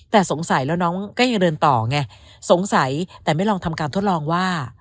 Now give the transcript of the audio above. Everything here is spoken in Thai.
แต่สงสัยแล้วน้องก็ยังเดินต่อไงสงสัยแต่ไม่ลองทำการทดลองว่า